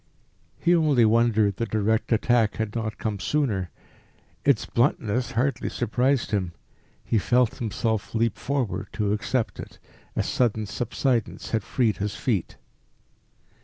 He only wondered the direct attack had not come sooner. Its bluntness hardly surprised him. He felt himself leap forward to accept it. A sudden subsidence had freed his feet.